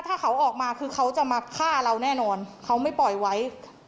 ถ้าเขาออกมาคือเขาจะมาฆ่าเราแน่นอนเขาไม่ปล่อยไว้